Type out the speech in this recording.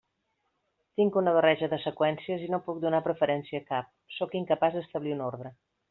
Tinc una barreja de seqüències i no puc donar preferència a cap, sóc incapaç d'establir un ordre.